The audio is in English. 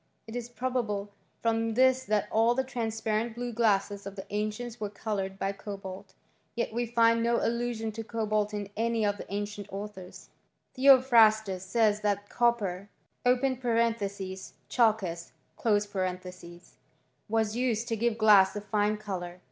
It it probable from this that all the transparent blue glassel of the ancients were coloured by cobalt ; yet we find no allusion to cobalt in any of the ancient authoitl Theophrastus says that copper {x*^\i^og, chalcos) was used to give glass a fine colour.